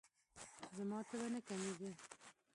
زما تبه نه کمیږي.